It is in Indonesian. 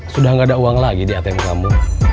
sudah nggak ada uang lagi di atm kamu